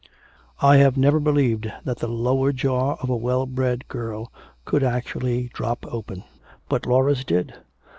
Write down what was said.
"I have never believed that the lower jaw of a well bred girl could actually drop open. But Laura's did.